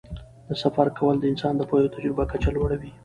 د سفر کول د انسان د پوهې او تجربې کچه لوړوي.